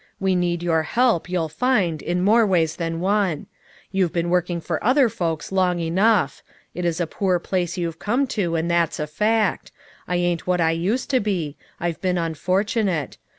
We need your help, you'll find, in more ways than one. You've been work ing for other folks long enough. It is a poor place you've come to, and that's a fact. I ain't what I used to be ; I've been unfortunate.